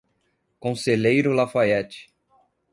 Conselheiro Lafaiete